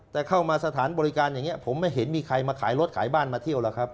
แต่เข้ามาสถานบริการอย่างนี้ผมไม่เห็นมีใครมาขายรถขายบ้านมาเที่ยวแล้วครับ